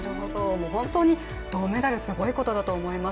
本当に銅メダルすごいことだと思います。